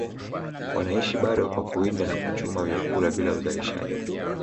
wanaishi bado kwa kuwinda na kuchuma vyakula bila uzalishaji